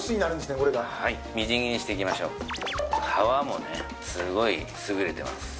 これがみじん切りにしていきましょう皮もねすごいすぐれてます